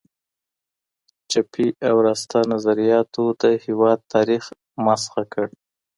چپي او راسته نظریاتو د هېواد تاریخ مسخ کړ.